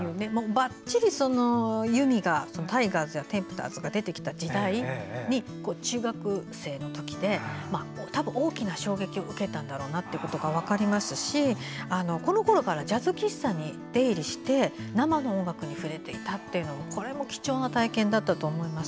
ばっちり由実がタイガースやテンプターズが出てきた時代に、中学生の時で大きな衝撃を受けたんだろうなということが分かりますしこのころからジャズ喫茶に出入りして生の音楽に触れていたというのも貴重な体験だったと思います。